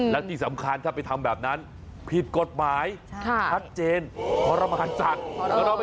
และที่สำคัญถ้าไปทำแบบนั้นผิดกฎหมายชัดเจนทรมานสัตว์